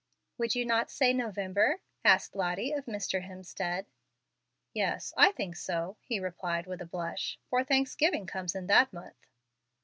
"Would you not say November?" asked Lottie of Mr. Hemstead. "Yes, I think so," he replied, with a blush, "for Thanksgiving comes in that month."